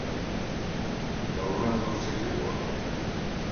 La obra no se llevó a cabo.